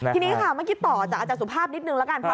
ทีนี้ครับไม่ให้ต่ออาจารย์สุภาพนิดนึงแล้วกัน